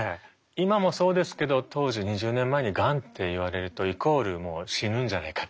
今もそうですけど当時２０年前にがんって言われるとイコールもう死ぬんじゃないかっていう。